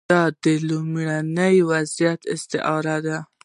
دا د لومړني وضعیت استعاره ده.